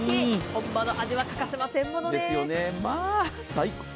本場の味は欠かせませんものね。